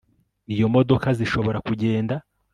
iyo imodoka zishobora kugenda